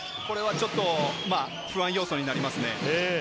これはちょっと不安要素になりますね。